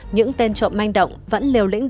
những tên trộm manh động vẫn liều lĩnh đột nhiên